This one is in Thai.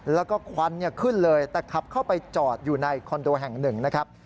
แล้วก็ควันขึ้นเลยแต่ขับเข้าไปจอดอยู่ในคอนโดแห่งหนึ่งนะครับ